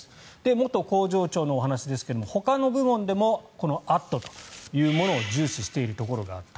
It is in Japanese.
元工場長のお話ですがほかの部門でもこの「＠」というものを重視している部門があった。